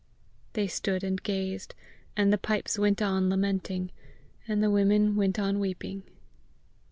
They stood and gazed, and the pipes went on lamenting, and the women went on weeping.